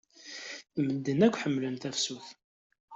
Medden akk ḥemmlen tafsut.